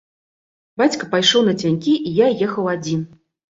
Бацька пайшоў нацянькі, і я ехаў адзін.